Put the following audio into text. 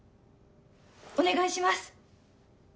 お願いします。